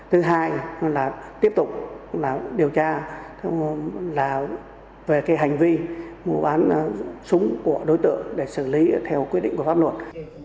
thứ hai là tiếp tục điều tra về hành vi ngụ án súng của đối tượng để xử lý theo quyết định của pháp luật